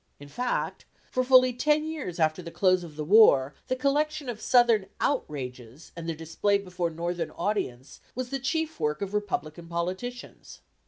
In fact, for fully ten years after the close of the war the collection of Southern "outrages" and their display before Northern audiences, was the chief work of Republican politicians.